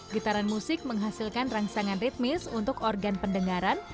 gitaran musik menghasilkan rangsangan ritmis untuk organ pendengaran